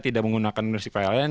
tidak menggunakan listrik lain